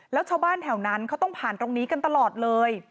แล้วชาวบ้านแถวนั้นเขาต้องผ่านตรงนี้กันตลอดเลย